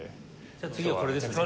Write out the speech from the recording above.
じゃあ次はこれですね。